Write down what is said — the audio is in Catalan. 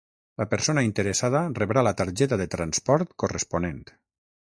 La persona interessada rebrà la targeta de transport corresponent.